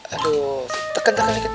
aduh tekan tekan dikit